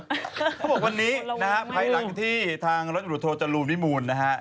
เพราะว่าวันนี้นะฮะภายหลังที่ทางรถหลุดโทรจรูลวิมูลนะฮะ